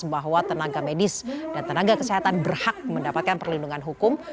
bahwa tenaga medis dan tenaga kesehatan berhak mendapatkan perlindungan hukum